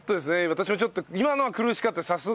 私もちょっと今のは苦しかったです